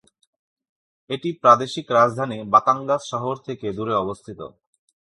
এটি প্রাদেশিক রাজধানী বাতাঙ্গাস শহর থেকে দূরে অবস্থিত।